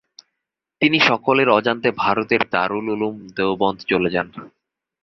তিনি সকলের অজান্তে ভারতের দারুল উলুম দেওবন্দ চলে যান।